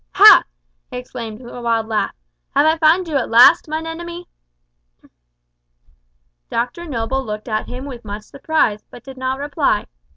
"Ha!" he exclaimed with a wild laugh, "have I found you at last, mine enemy?" Dr Noble looked at him with much surprise, but did not reply.